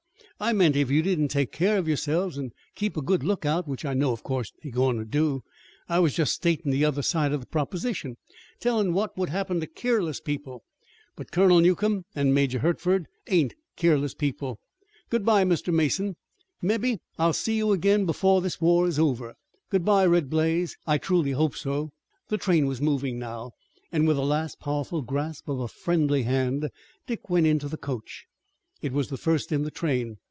"I meant if you didn't take care of yourselves an' keep a good lookout, which I know, of course, that you're goin' to do. I was jest statin' the other side of the proposition, tellin' what would happen to keerless people, but Colonel Newcomb an' Major Hertford ain't keerless people. Good bye, Mr. Mason. Mebbe I'll see you ag'in before this war is over." "Good bye, Red Blaze. I truly hope so." The train was moving now and with a last powerful grasp of a friendly hand Dick went into the coach. It was the first in the train.